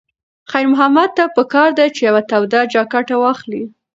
خیر محمد ته پکار ده چې یوه توده جاکټ واخلي.